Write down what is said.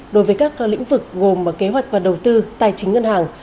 đối với các lĩnh vực gồm kế hoạch và đầu tư tài chính ngân hàng